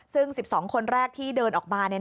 ซึ่ง๑๒คนแรกที่เดินออกมา